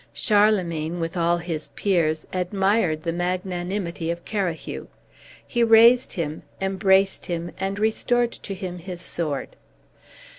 Charlemagne, with all his peers, admired the magnanimity of Carahue; he raised him, embraced him, and restored to him his sword.